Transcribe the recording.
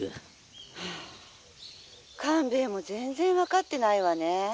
「はあ官兵衛も全然分かってないわね。